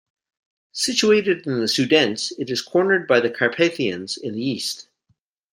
Situated in the Sudetes, it is cornered by the Carpathians in the east.